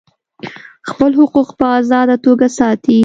خپل حقوق په آزاده توګه ساتي.